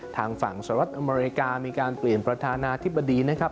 ทางฝั่งสหรัฐอเมริกามีการเปลี่ยนประธานาธิบดีนะครับ